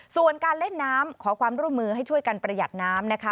ส่วนการเล่นน้ำขอความร่วมมือให้ช่วยกันประหยัดน้ำนะคะ